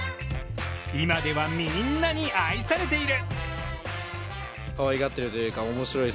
今では、みんなに愛されている！